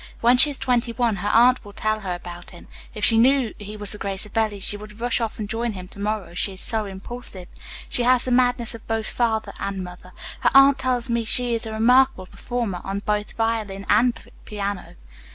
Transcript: When she is twenty one her aunt will tell her about him. If she knew he was the great Savelli, she would rush off and join him to morrow, she is so impulsive. She has the music madness of both father and mother. Her aunt tells me she is a remarkable performer on both violin and piano."